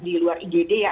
di luar ijd ya